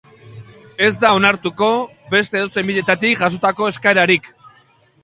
Ez da onartuko beste edozein bidetatik jasotako eskaerarik.